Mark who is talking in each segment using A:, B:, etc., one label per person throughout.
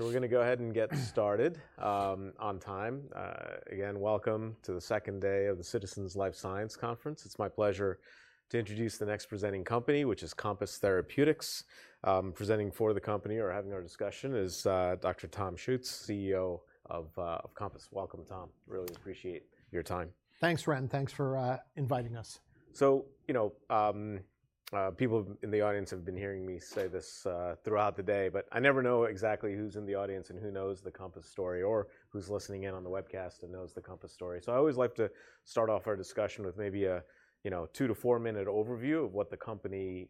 A: We're going to go ahead and get started on time. Again, welcome to the second day of the Citizens Life Science Conference. It's my pleasure to introduce the next presenting company, which is Compass Therapeutics. Presenting for the company, or having our discussion, is Dr. Tom Schuetz, CEO of Compass. Welcome, Tom. Really appreciate your time.
B: Thanks, Ren. Thanks for inviting us.
A: So, you know, people in the audience have been hearing me say this throughout the day, but I never know exactly who's in the audience and who knows the Compass story, or who's listening in on the webcast and knows the Compass story. I always like to start off our discussion with maybe a two to four-minute overview of what the company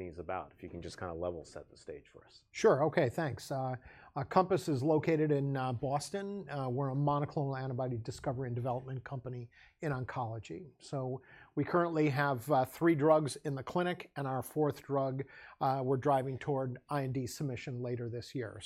A: is about, if you can just kind of level set the stage for us.
B: Sure. Okay, thanks. Compass is located in Boston. We're a monoclonal antibody discovery and development company in oncology. We currently have three drugs in the clinic, and our fourth drug we're driving toward IND submission later this year.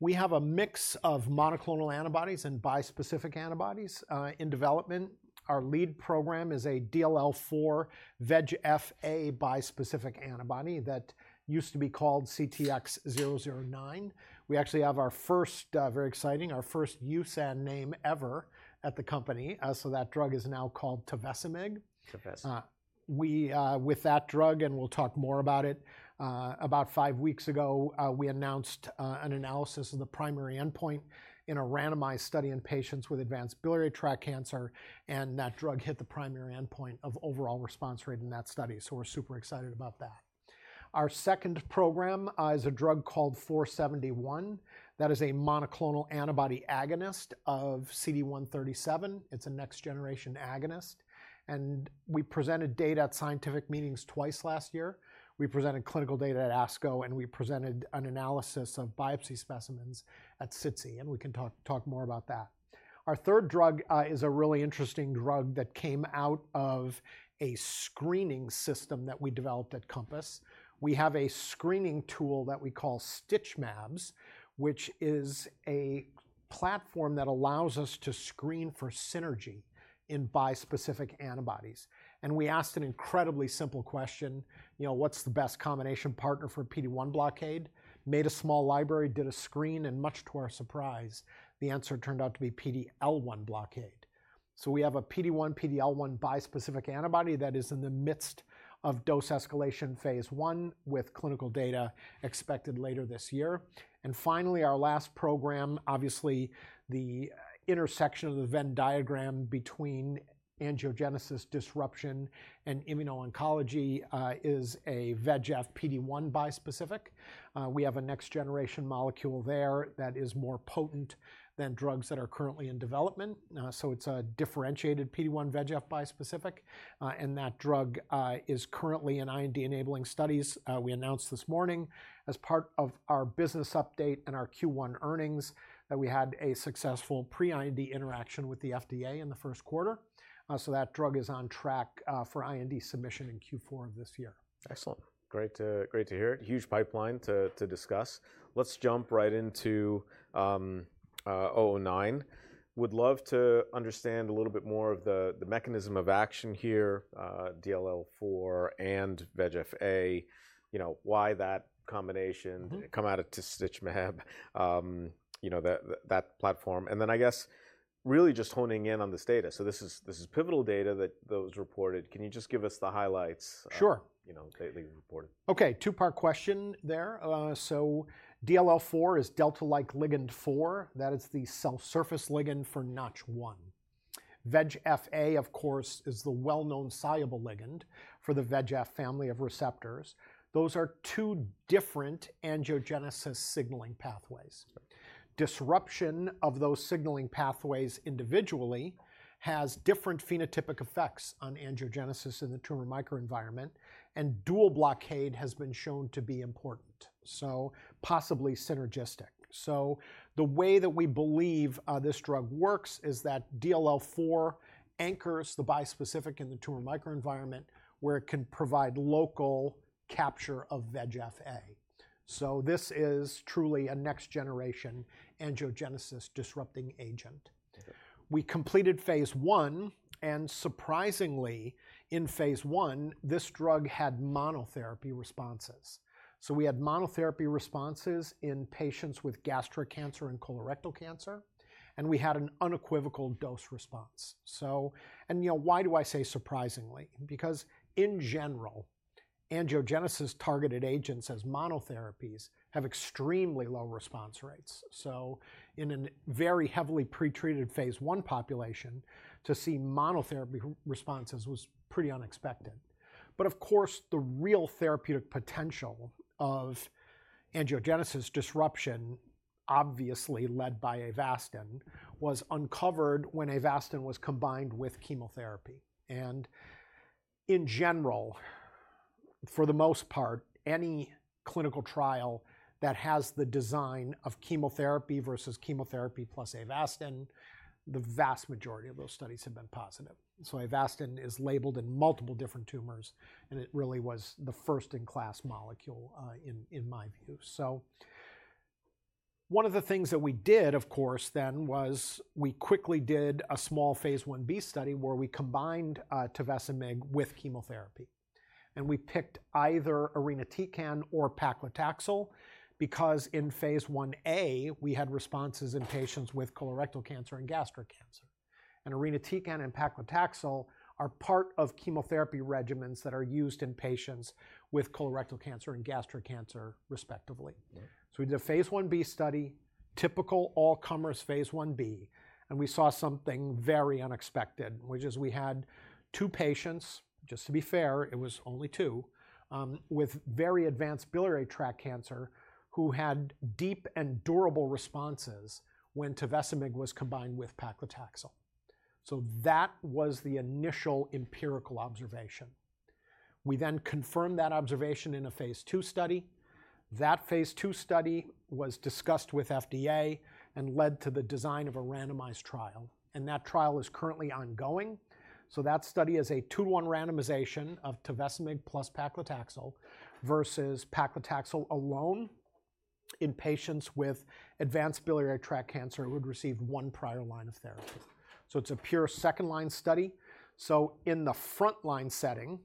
B: We have a mix of monoclonal antibodies and bispecific antibodies in development. Our lead program is a DLL4 VEGFA bispecific antibody that used to be called CTX-009. We actually have our first, very exciting, our first USAN name ever at the company. That drug is now called Tovecimig.
A: Tovecimig.
B: With that drug, and we'll talk more about it, about five weeks ago, we announced an analysis of the primary endpoint in a randomized study in patients with advanced biliary tract cancer, and that drug hit the primary endpoint of overall response rate in that study. So we're super excited about that. Our second program is a drug called 471. That is a monoclonal antibody agonist of CD137. It's a next-generation agonist. And we presented data at scientific meetings twice last year. We presented clinical data at ASCO, and we presented an analysis of biopsy specimens at SITC, and we can talk more about that. Our third drug is a really interesting drug that came out of a screening system that we developed at Compass. We have a screening tool that we call StitchMabs, which is a platform that allows us to screen for synergy in bispecific antibodies. We asked an incredibly simple question, you know, what's the best combination partner for PD-1 blockade? Made a small library, did a screen, and much to our surprise, the answer turned out to be PD-L1 blockade. We have a PD-1, PD-L1 bispecific antibody that is in the midst of dose escalation phase one with clinical data expected later this year. Finally, our last program, obviously the intersection of the Venn diagram between angiogenesis disruption and immuno-oncology is a VEGF PD-1 bispecific. We have a next-generation molecule there that is more potent than drugs that are currently in development. It is a differentiated PD-1 VEGF bispecific. That drug is currently in IND-enabling studies. We announced this morning as part of our business update and our Q1 earnings that we had a successful pre-IND interaction with the FDA in the first quarter. That drug is on track for IND submission in Q4 of this year.
A: Excellent. Great to hear it. Huge pipeline to discuss. Let's jump right into 009. Would love to understand a little bit more of the mechanism of action here, DLL4 and VEGFA, you know, why that combination came out of StitchMab, you know, that platform. I guess really just honing in on this data. This is pivotal data that was reported. Can you just give us the highlights?
B: Sure.
A: You know, that you reported.
B: Okay, two-part question there. DLL4 is delta-like ligand 4. That is the cell surface ligand for Notch 1. VEGFA, of course, is the well-known soluble ligand for the VEGF family of receptors. Those are two different angiogenesis signaling pathways. Disruption of those signaling pathways individually has different phenotypic effects on angiogenesis in the tumor microenvironment, and dual blockade has been shown to be important. Possibly synergistic. The way that we believe this drug works is that DLL4 anchors the bispecific in the tumor microenvironment where it can provide local capture of VEGFA. This is truly a next-generation angiogenesis disrupting agent. We completed phase one, and surprisingly in phase one, this drug had monotherapy responses. We had monotherapy responses in patients with gastric cancer and colorectal cancer, and we had an unequivocal dose response. You know, why do I say surprisingly? Because in general, angiogenesis targeted agents as monotherapies have extremely low response rates. In a very heavily pretreated phase one population, to see monotherapy responses was pretty unexpected. Of course, the real therapeutic potential of angiogenesis disruption, obviously led by Avastin, was uncovered when Avastin was combined with chemotherapy. In general, for the most part, any clinical trial that has the design of chemotherapy versus chemotherapy plus Avastin, the vast majority of those studies have been positive. Avastin is labeled in multiple different tumors, and it really was the first-in-class molecule in my view. One of the things that we did, of course, then was we quickly did a small Phase I B study where we combined Tovecimig with chemotherapy. We picked either irinotecan or paclitaxel because in phase one A, we had responses in patients with colorectal cancer and gastric cancer. Irinotecan and paclitaxel are part of chemotherapy regimens that are used in patients with colorectal cancer and gastric cancer respectively. We did a phase one B study, typical all-comers phase one B, and we saw something very unexpected, which is we had two patients, just to be fair, it was only two, with very advanced biliary tract cancer who had deep and durable responses when Tovecimig was combined with paclitaxel. That was the initial empirical observation. We then confirmed that observation in a Phase II study. That Phase II study was discussed with FDA and led to the design of a randomized trial. That trial is currently ongoing. That study is a two-to-one randomization of Tovecimig plus paclitaxel versus paclitaxel alone in patients with advanced biliary tract cancer who had received one prior line of therapy. It is a pure second-line study. In the front-line setting,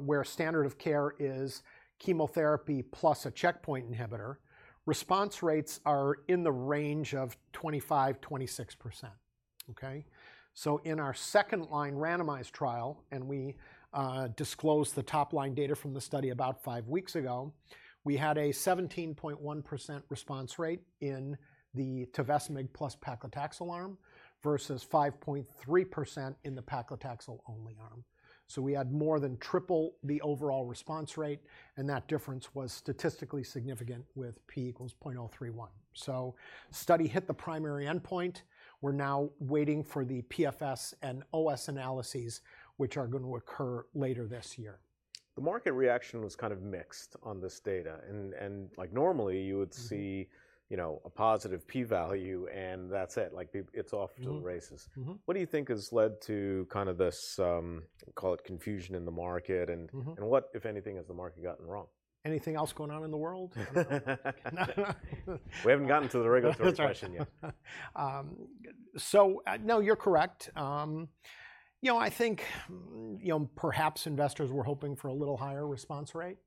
B: where standard of care is chemotherapy plus a checkpoint inhibitor, response rates are in the range of 25%-26%. Okay? In our second-line randomized trial, and we disclosed the top-line data from the study about five weeks ago, we had a 17.1% response rate in the Tovecimig plus paclitaxel arm versus 5.3% in the paclitaxel-only arm. We had more than triple the overall response rate, and that difference was statistically significant with P equals 0.031. The study hit the primary endpoint. We are now waiting for the PFS and OS analyses, which are going to occur later this year.
A: The market reaction was kind of mixed on this data. Like normally, you would see, you know, a positive P value and that's it. Like it's off to the races. What do you think has led to kind of this, call it confusion in the market? What, if anything, has the market gotten wrong?
B: Anything else going on in the world?
A: We haven't gotten to the regulatory question yet.
B: No, you're correct. You know, I think, you know, perhaps investors were hoping for a little higher response rate.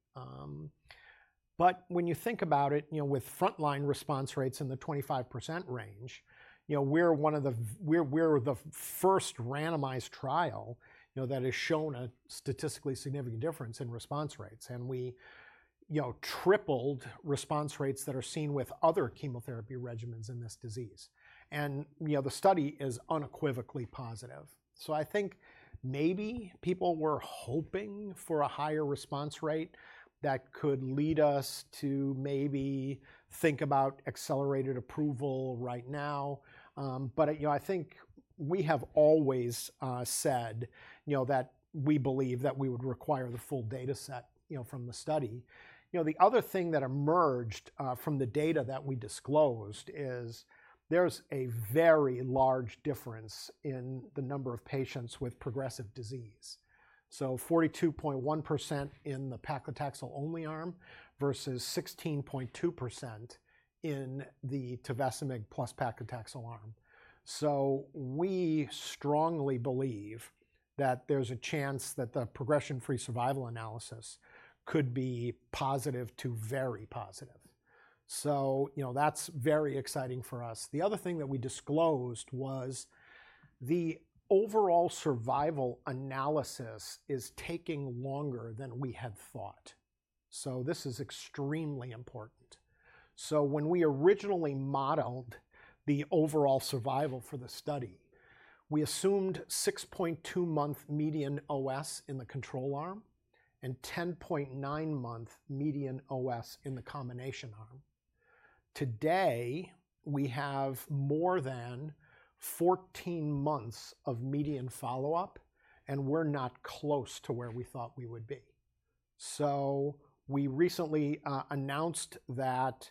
B: When you think about it, you know, with front-line response rates in the 25% range, you know, we're one of the, we're the first randomized trial, you know, that has shown a statistically significant difference in response rates. We, you know, tripled response rates that are seen with other chemotherapy regimens in this disease. You know, the study is unequivocally positive. I think maybe people were hoping for a higher response rate that could lead us to maybe think about accelerated approval right now. You know, I think we have always said, you know, that we believe that we would require the full data set, you know, from the study. You know, the other thing that emerged from the data that we disclosed is there's a very large difference in the number of patients with progressive disease. So 42.1% in the paclitaxel-only arm versus 16.2% in the Tovecimig plus paclitaxel arm. So we strongly believe that there's a chance that the progression-free survival analysis could be positive to very positive. You know, that's very exciting for us. The other thing that we disclosed was the overall survival analysis is taking longer than we had thought. This is extremely important. When we originally modeled the overall survival for the study, we assumed 6.2-month median OS in the control arm and 10.9-month median OS in the combination arm. Today, we have more than 14 months of median follow-up, and we're not close to where we thought we would be. We recently announced that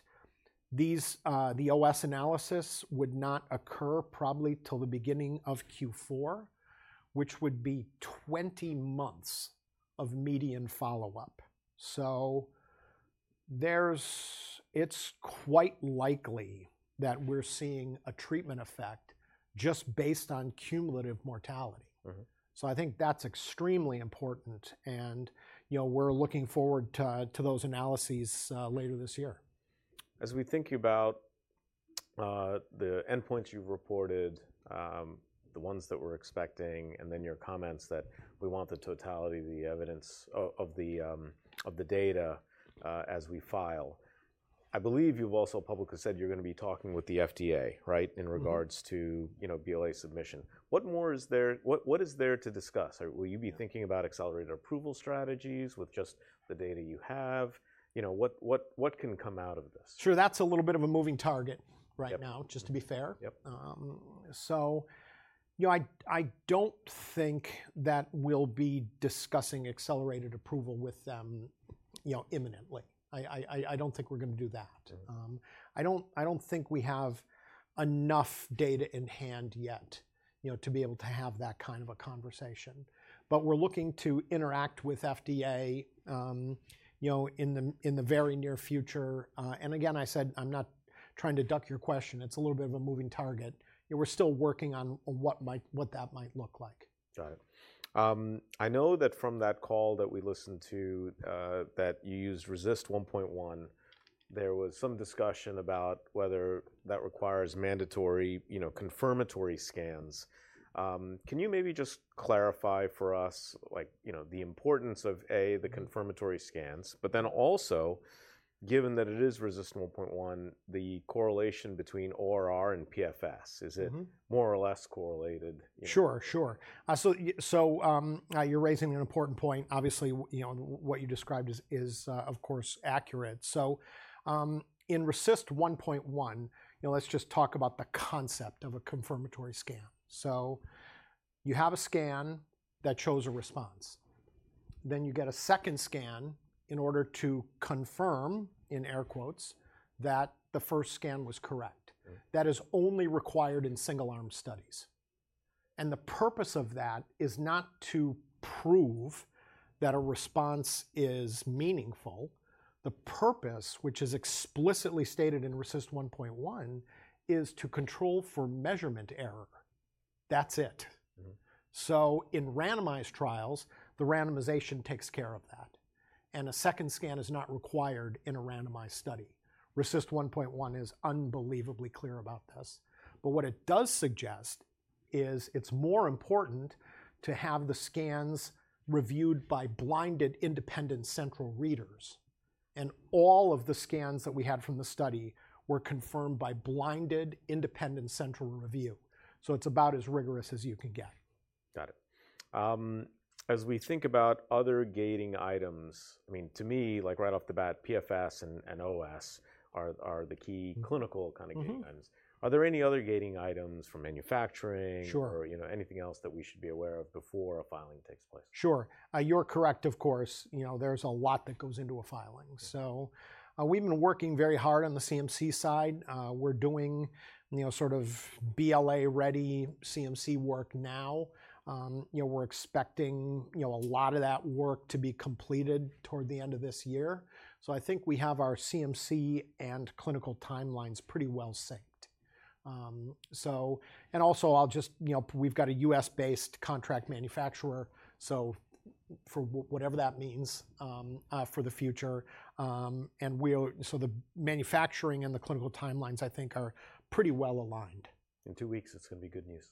B: the OS analysis would not occur probably till the beginning of Q4, which would be 20 months of median follow-up. There is, it's quite likely that we're seeing a treatment effect just based on cumulative mortality. I think that's extremely important. You know, we're looking forward to those analyses later this year.
A: As we think about the endpoints you've reported, the ones that we're expecting, and then your comments that we want the totality, the evidence of the data as we file. I believe you've also publicly said you're going to be talking with the FDA, right, in regards to, you know, BLA submission. What more is there, what is there to discuss? Will you be thinking about accelerated approval strategies with just the data you have? You know, what can come out of this?
B: Sure. That's a little bit of a moving target right now, just to be fair. You know, I don't think that we'll be discussing accelerated approval with them, you know, imminently. I don't think we're going to do that. I don't think we have enough data in hand yet, you know, to be able to have that kind of a conversation. We are looking to interact with FDA, you know, in the very near future. Again, I said, I'm not trying to duck your question. It's a little bit of a moving target. You know, we're still working on what that might look like.
A: Got it. I know that from that call that we listened to that you used RECIST 1.1, there was some discussion about whether that requires mandatory, you know, confirmatory scans. Can you maybe just clarify for us, like, you know, the importance of, A, the confirmatory scans, but then also given that it is RECIST 1.1, the correlation between ORR and PFS, is it more or less correlated?
B: Sure, sure. So you're raising an important point. Obviously, you know, what you described is, of course, accurate. In RECIST 1.1, you know, let's just talk about the concept of a confirmatory scan. You have a scan that shows a response. Then you get a second scan in order to confirm, in air quotes, that the first scan was correct. That is only required in single-arm studies. The purpose of that is not to prove that a response is meaningful. The purpose, which is explicitly stated in RECIST 1.1, is to control for measurement error. That's it. In randomized trials, the randomization takes care of that, and a second scan is not required in a randomized study. RECIST 1.1 is unbelievably clear about this. What it does suggest is it's more important to have the scans reviewed by blinded independent central readers. All of the scans that we had from the study were confirmed by blinded independent central review. It is about as rigorous as you can get.
A: Got it. As we think about other gating items, I mean, to me, like right off the bat, PFS and OS are the key clinical kind of gating items. Are there any other gating items for manufacturing or, you know, anything else that we should be aware of before a filing takes place?
B: Sure. You're correct, of course. You know, there's a lot that goes into a filing. We've been working very hard on the CMC side. We're doing, you know, sort of BLA-ready CMC work now. We're expecting, you know, a lot of that work to be completed toward the end of this year. I think we have our CMC and clinical timelines pretty well synced. Also, I'll just, you know, we've got a U.S.-based contract manufacturer, for whatever that means for the future. The manufacturing and the clinical timelines, I think, are pretty well aligned.
A: In two weeks, it's going to be good news.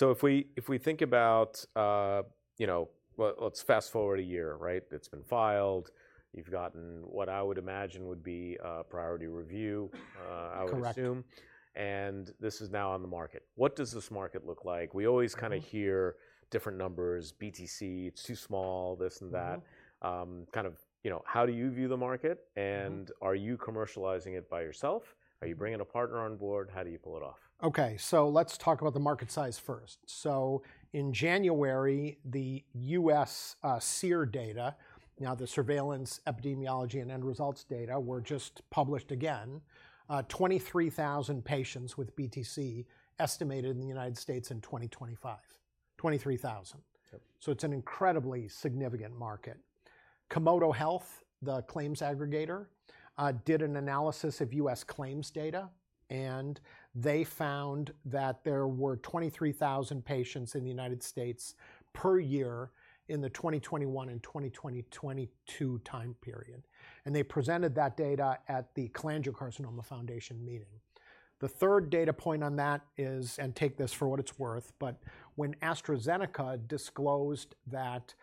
A: If we think about, you know, let's fast forward a year, right? It's been filed. You've gotten what I would imagine would be a priority review, I would assume.
B: Correct.
A: This is now on the market. What does this market look like? We always kind of hear different numbers, BTC, it's too small, this and that. Kind of, you know, how do you view the market? And are you commercializing it by yourself? Are you bringing a partner on board? How do you pull it off?
B: Okay. Let's talk about the market size first. In January, the U.S. SEER data, now the Surveillance Epidemiology and End Results data, were just published again, 23,000 patients with BTC estimated in the United States in 2025. 23,000. It's an incredibly significant market. Komodo Health, the claims aggregator, did an analysis of U.S. claims data, and they found that there were 23,000 patients in the United States per year in the 2021 and 2022 time period. They presented that data at the Cholangiocarcinoma Foundation meeting. The third data point on that is, and take this for what it's worth, but when AstraZeneca disclosed that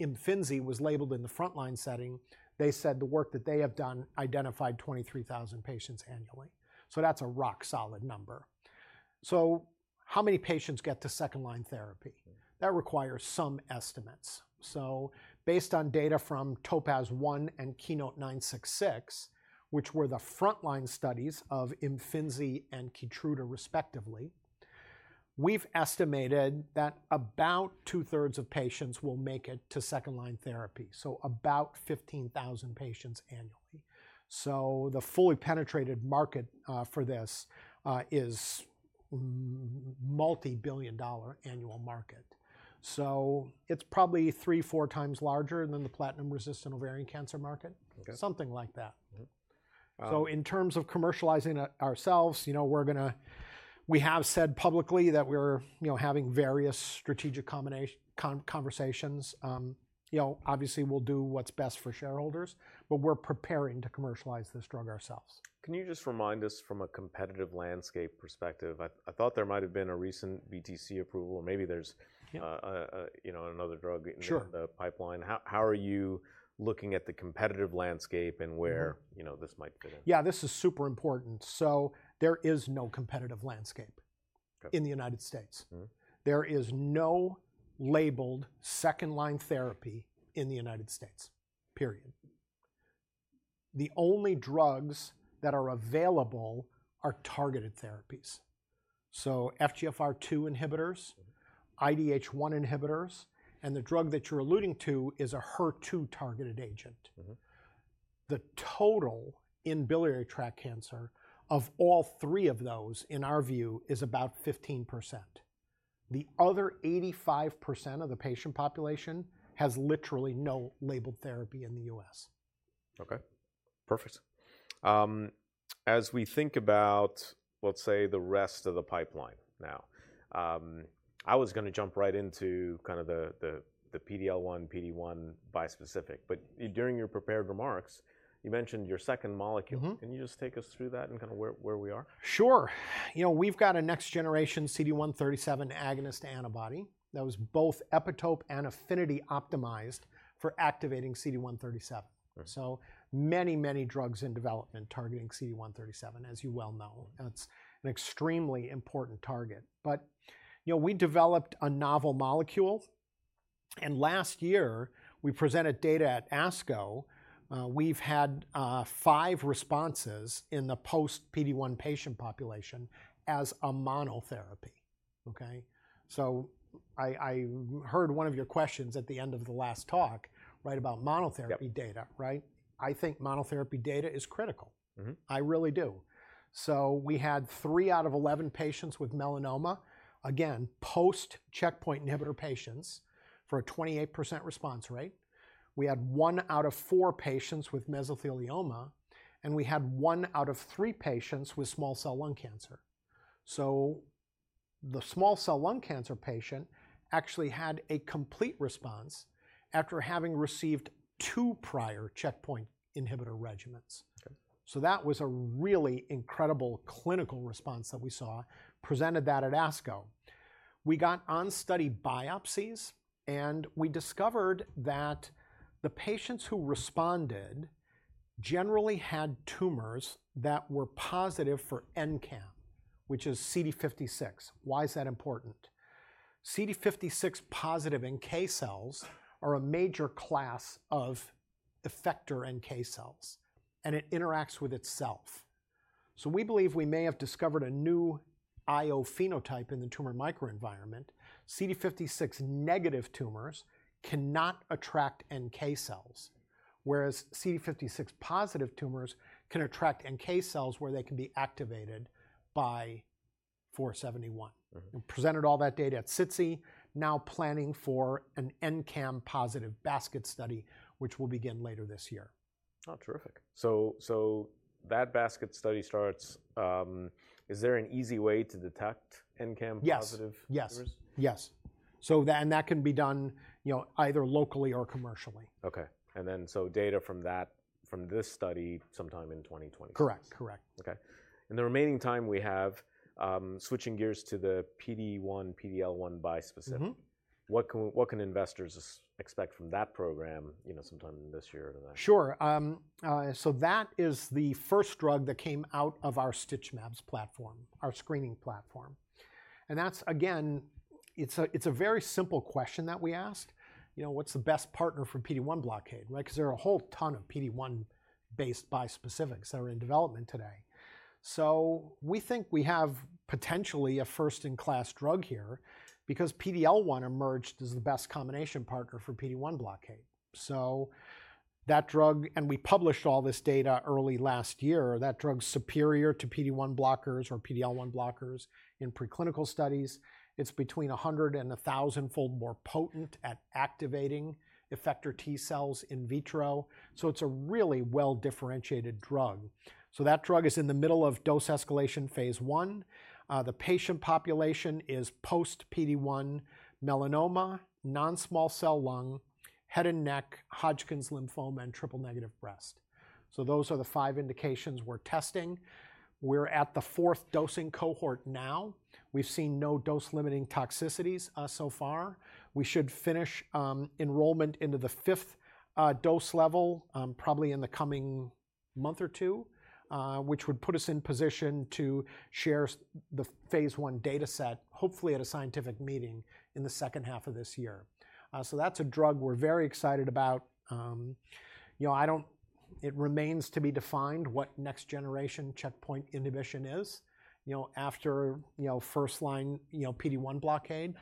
B: Imfinzi was labeled in the front-line setting, they said the work that they have done identified 23,000 patients annually. That's a rock-solid number. How many patients get to second-line therapy? That requires some estimates. Based on data from Topaz One and Keynote 966, which were the front-line studies of Imfinzi and Keytruda respectively, we've estimated that about two-thirds of patients will make it to second-line therapy. So about 15,000 patients annually. The fully penetrated market for this is a multi-billion dollar annual market. It's probably three-four times larger than the platinum resistant ovarian cancer market, something like that. In terms of commercializing ourselves, you know, we're going to, we have said publicly that we're, you know, having various strategic conversations. You know, obviously we'll do what's best for shareholders, but we're preparing to commercialize this drug ourselves.
A: Can you just remind us from a competitive landscape perspective? I thought there might have been a recent BTC approval, or maybe there's, you know, another drug in the pipeline. How are you looking at the competitive landscape and where, you know, this might fit in?
B: Yeah, this is super important. There is no competitive landscape in the U.S. There is no labeled second-line therapy in the U.S. Period. The only drugs that are available are targeted therapies. FGFR2 inhibitors, IDH1 inhibitors, and the drug that you're alluding to is a HER2 targeted agent. The total in biliary tract cancer of all three of those, in our view, is about 15%. The other 85% of the patient population has literally no labeled therapy in the U.S.
A: Okay. Perfect. As we think about, let's say, the rest of the pipeline now, I was going to jump right into kind of the PD-L1, PD-1 bispecific. During your prepared remarks, you mentioned your second molecule. Can you just take us through that and kind of where we are?
B: Sure. You know, we've got a next generation CD137 agonist antibody that was both epitope and affinity optimized for activating CD137. So many, many drugs in development targeting CD137, as you well know. That's an extremely important target. But you know, we developed a novel molecule. And last year, we presented data at ASCO. We've had five responses in the post-PD-1 patient population as a monotherapy. Okay? So I heard one of your questions at the end of the last talk, right, about monotherapy data, right? I think monotherapy data is critical. I really do. So we had three out of 11 patients with melanoma, again, post-checkpoint inhibitor patients for a 28% response rate. We had one out of four patients with mesothelioma, and we had one out of three patients with small cell lung cancer. The small cell lung cancer patient actually had a complete response after having received two prior checkpoint inhibitor regimens. That was a really incredible clinical response that we saw, presented that at ASCO. We got on-study biopsies, and we discovered that the patients who responded generally had tumors that were positive for NCAM, which is CD56. Why is that important? CD56 positive NK cells are a major class of effector NK cells, and it interacts with itself. We believe we may have discovered a new IO phenotype in the tumor microenvironment. CD56 negative tumors cannot attract NK cells, whereas CD56 positive tumors can attract NK cells where they can be activated by 471. Presented all that data at SITC, now planning for an NCAM positive basket study, which will begin later this year.
A: Oh, terrific. That basket study starts, is there an easy way to detect NCAM positive tumors?
B: Yes. Yes. So that, and that can be done, you know, either locally or commercially.
A: Okay. And then data from that, from this study sometime in 2020.
B: Correct. Correct.
A: Okay. In the remaining time, we have switching gears to the PD-1, PD-L1 bispecific. What can investors expect from that program, you know, sometime this year or the next?
B: Sure. That is the first drug that came out of our StitchMabs platform, our screening platform. That's, again, it's a very simple question that we asked. You know, what's the best partner for PD-1 blockade, right? Because there are a whole ton of PD-1-based bispecifics that are in development today. We think we have potentially a first-in-class drug here because PD-L1 emerged as the best combination partner for PD-1 blockade. That drug, and we published all this data early last year, that drug's superior to PD-1 blockers or PD-L1 blockers in preclinical studies. It's between 100-1,000-fold more potent at activating effector T cells in vitro. It's a really well-differentiated drug. That drug is in the middle of dose escalation phase one. The patient population is post-PD-1 melanoma, non-small cell lung, head and neck, Hodgkin's lymphoma, and triple negative breast. Those are the five indications we're testing. We're at the fourth dosing cohort now. We've seen no dose-limiting toxicities so far. We should finish enrollment into the fifth dose level probably in the coming month or two, which would put us in position to share the Phase I data set, hopefully at a scientific meeting in the second half of this year. That's a drug we're very excited about. You know, I don't, it remains to be defined what next generation checkpoint inhibition is, you know, after, you know, first line, you know, PD-1 blockade.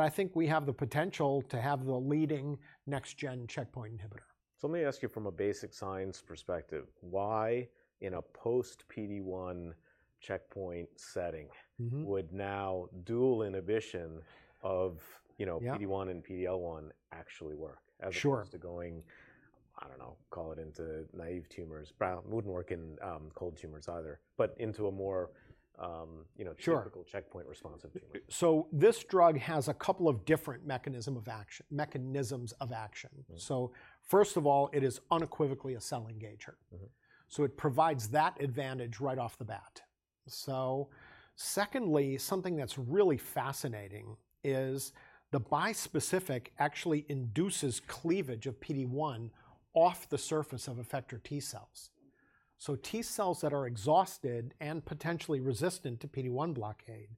B: I think we have the potential to have the leading next gen checkpoint inhibitor.
A: Let me ask you from a basic science perspective, why in a post-PD-1 checkpoint setting would now dual inhibition of, you know, PD-1 and PD-L1 actually work as opposed to going, I do not know, call it into naive tumors, but it would not work in cold tumors either, but into a more, you know, typical checkpoint responsive tumor?
B: This drug has a couple of different mechanisms of action. First of all, it is unequivocally a cell engager. It provides that advantage right off the bat. Secondly, something that's really fascinating is the bispecific actually induces cleavage of PD-1 off the surface of effector T cells. T cells that are exhausted and potentially resistant to PD-1 blockade,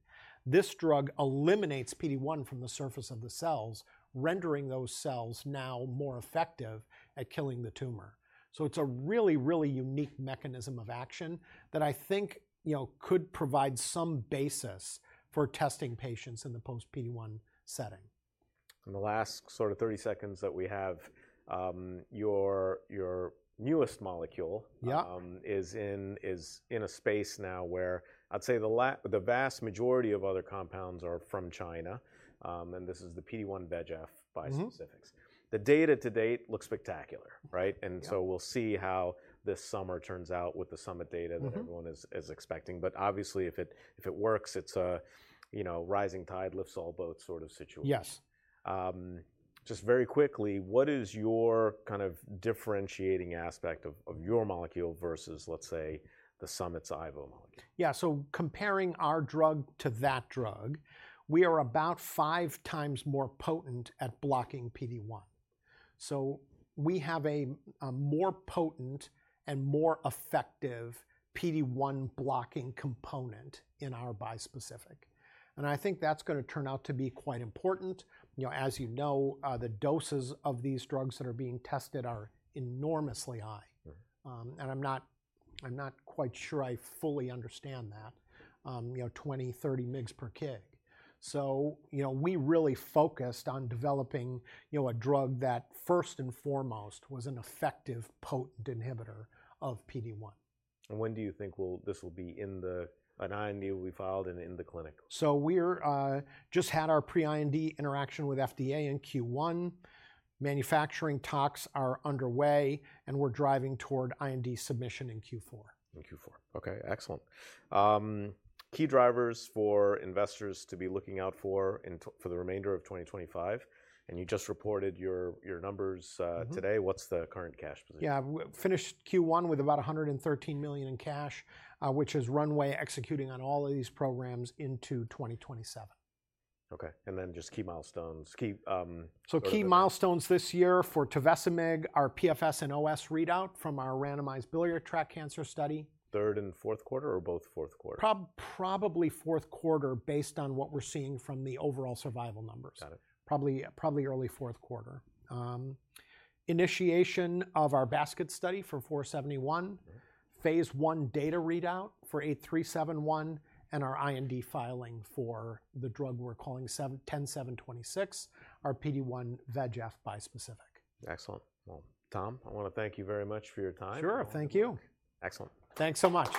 B: this drug eliminates PD-1 from the surface of the cells, rendering those cells now more effective at killing the tumor. It is a really, really unique mechanism of action that I think, you know, could provide some basis for testing patients in the post-PD-1 setting.
A: In the last sort of 30 seconds that we have, your newest molecule is in a space now where I'd say the vast majority of other compounds are from China, and this is the PD-1 VEGF bispecifics. The data to date looks spectacular, right? We'll see how this summer turns out with the Summit data that everyone is expecting. Obviously if it works, it's a, you know, rising tide lifts all boats sort of situation.
B: Yes.
A: Just very quickly, what is your kind of differentiating aspect of your molecule versus, let's say, the Summit's Ivo molecule?
B: Yeah. Comparing our drug to that drug, we are about five times more potent at blocking PD-1. We have a more potent and more effective PD-1 blocking component in our bispecific. I think that's going to turn out to be quite important. You know, as you know, the doses of these drugs that are being tested are enormously high. I'm not quite sure I fully understand that, you know, 20mg-30 mg per kg. We really focused on developing, you know, a drug that first and foremost was an effective potent inhibitor of PD-1.
A: When do you think this will be in the, an IND will be filed and in the clinic?
B: We just had our pre-IND interaction with FDA in Q1. Manufacturing talks are underway, and we're driving toward IND submission in Q4.
A: In Q4. Okay. Excellent. Key drivers for investors to be looking out for for the remainder of 2025. You just reported your numbers today. What's the current cash position?
B: Yeah. Finished Q1 with about $113 million in cash, which is runway executing on all of these programs into 2027.
A: Okay. And then just key milestones. Key.
B: Key milestones this year for Tovecimig are our PFS and OS readout from our randomized biliary tract cancer study.
A: Third and fourth quarter or both fourth quarter?
B: Probably fourth quarter based on what we're seeing from the overall survival numbers. Probably early fourth quarter. Initiation of our basket study for 471, Phase one data readout for 8371, and our IND filing for the drug we're calling 10726, our PD-1 VEGFA bispecific.
A: Excellent. Tom, I want to thank you very much for your time.
B: Sure. Thank you.
A: Excellent.
B: Thanks so much.